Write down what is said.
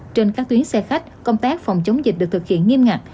trên các tuyến xe khách công tác phòng chống dịch được thực hiện nghiêm ngặt